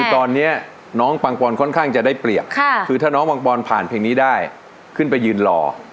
ตอนนี้น้องปังปอนค่อนข้างจะได้เปรียบคือถ้าน้องปังปอนผ่านเพลงนี้ได้ขึ้นไปยืนรอ